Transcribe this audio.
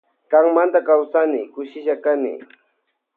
Kanmanta kawsani kushilla kani.